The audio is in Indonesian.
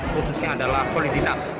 khususnya adalah soliditas